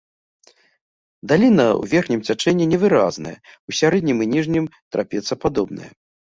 Даліна ў верхнім цячэнні невыразная, у сярэднім і ніжнім трапецападобная.